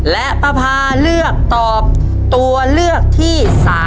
และป้าพาเลือกตอบตัวเลือกที่๓